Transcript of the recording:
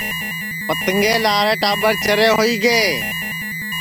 پتنگیں لارے ٹاٻر چرے ہوئی گے